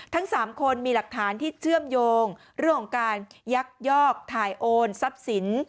ทั้ง๓คนมีหลักฐานที่เชื่อมโยงเรื่องของการยักยอกถ่ายโอนทรัพย์สิน